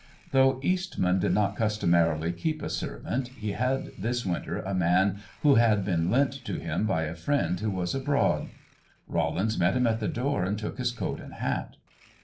Though Eastman did not customarily keep a servant he had this winter a man who had been lent to him by a friend who was abroad. Rollins met him at the door and took his coat and hat.